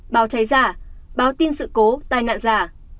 báo cháy giả báo tin sự cố tai nạn giả